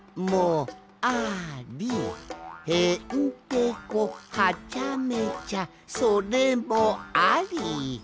「へ・ん・て・こ・は・ちゃ・め・ちゃそ・れ・も・あ・り」